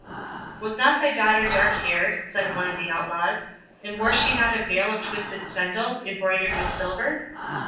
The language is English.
"Was not thy daughter dark haired?" said one of the outlaws; "and wore she not a veil of twisted sendal, broidered with silver?"